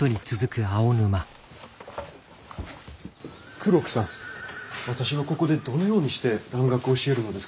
黒木さん私はここでどのようにして蘭学を教えるのですか？